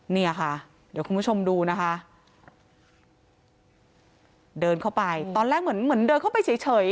เนี่ยค่ะเดี๋ยวคุณผู้ชมดูนะคะเดินเข้าไปตอนแรกเหมือนเหมือนเดินเข้าไปเฉยเฉย